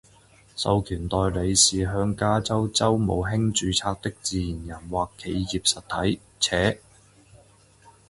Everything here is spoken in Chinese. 授权代理是向加州州务卿注册的自然人或企业实体；且